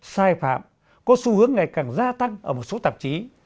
sai phạm có xu hướng ngày càng gia tăng ở một số tạp chí